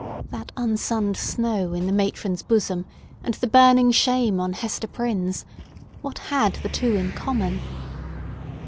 That unsunned snow in the matron's bosom, and the burning shame on Hester Prynne's—what had the two in common?